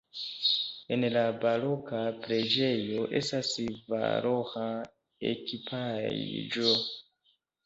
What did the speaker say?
En la baroka preĝejo estas valora ekipaĵo.